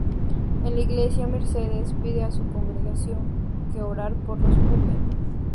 En la iglesia, Mercedes pide a su congregación que orar por los Hummel.